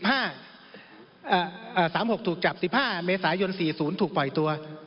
๓๖ถูกจับ๑๕เมษายน๔๐ถูกปล่อยตัว